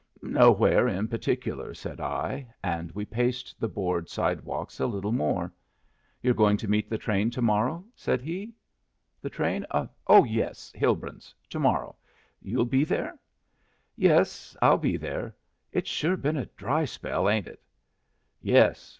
"Nowhere in particular," said I. And we paced the board sidewalks a little more. "You're going to meet the train to morrow?" said he. "The train? Oh yes. Hilbrun's. To morrow. You'll be there?" "Yes, I'll be there. It's sure been a dry spell, ain't it?" "Yes.